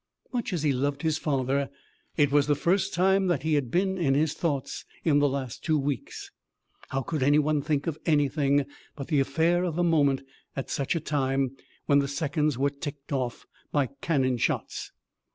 Much as he loved his father it was the first time that he had been in his thoughts in the last two weeks. How could any one think of anything but the affair of the moment at such a time, when the seconds were ticked off by cannon shots!